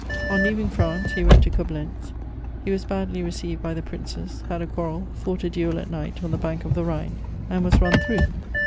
On leaving France he went to Coblentz: he was badly received by the Princes, had a quarrel, fought a duel at night on the bank of the Rhine, and was run through.